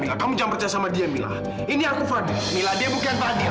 aku bukan fadil yang lemah lembut